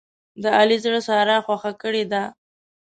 د علي زړه ساره خوښه کړې ده.